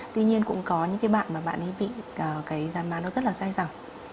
tuy nhiên cũng có những cái bạn mà bạn ấy bị cái gián má nó rất là dai dẳng